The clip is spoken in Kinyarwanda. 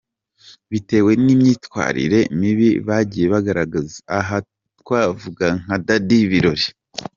Bitewe n’imyitwarire mibi bagiye bagaragaza, aha twavuga nka Dady Birori.